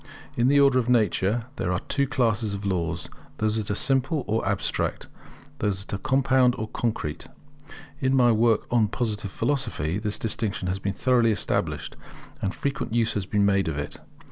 In the Order of Nature, there are two classes of laws; those that are simple or Abstract, those that are compound or Concrete. In my work on Positive Philosophy, the distinction has been thoroughly established, and frequent use has been made of it.